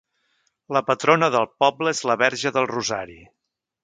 La patrona del poble és la verge del Rosari.